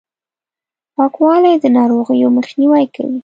پاکوالي، د ناروغیو مخنیوی کوي!